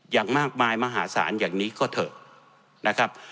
อย่างมากมายมหาศาลอย่างนี้ก็เถอะนะครับ